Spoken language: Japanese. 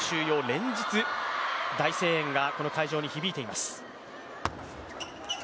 連日、大声援がこの会場に響いています。